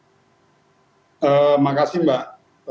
terima kasih mbak